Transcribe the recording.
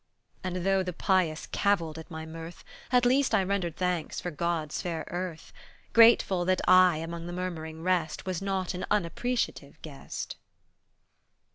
And though the pious cavilled at my mirth, At least I rendered thanks for God's fair earth, Grateful that I, among the murmuring rest, Was not an unappreciative guest.